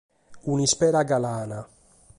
Un’ispera galana.